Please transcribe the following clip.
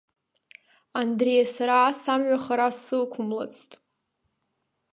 Андре, сара ас амҩа хара сықәмлацт.